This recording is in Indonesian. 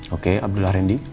oke abdullah rendy